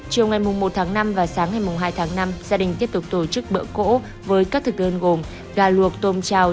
chiều ngày một tháng năm và sáng ngày hai tháng năm gia đình tiếp tục tổ chức bỡ cỗ với các thực đơn gồm gà luộc tôm trào